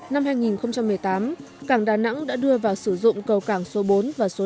năm hai nghìn một mươi tám cảng đà nẵng đã đưa vào sử dụng cầu cảng số bốn và số một